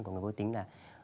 của người vô tính là